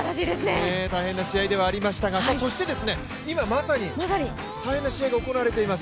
大変な試合ではありましたが、そして、今まさに大変な試合が行われています。